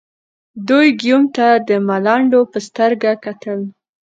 دوی ګیوم ته د ملنډو په سترګه کتل.